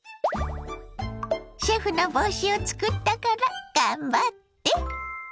シェフの帽子を作ったから頑張って！